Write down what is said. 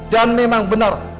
dan memang benar